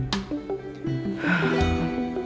apakah aku pernah le broke